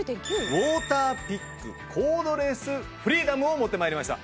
ウォーターピックコードレスフリーダムを持って参りました。